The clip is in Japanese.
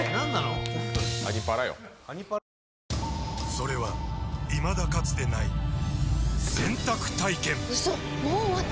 それはいまだかつてない洗濯体験‼うそっ！